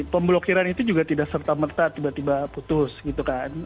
pemblokiran itu juga tidak serta merta tiba tiba putus gitu kan